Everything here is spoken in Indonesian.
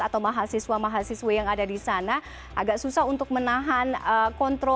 atau mahasiswa m geology yang demokratis agak susah menahan penguasa kontrol